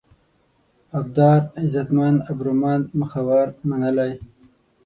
ابدار: عزتمن، ابرومند ، مخور، منلی